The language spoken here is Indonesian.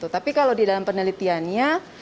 tapi kalau di dalam penelitiannya